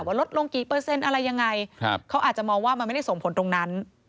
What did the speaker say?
ลดลงกี่เปอร์เซ็นต์อะไรยังไงเขาอาจจะมองว่ามันไม่ได้ส่งผลตรงนั้น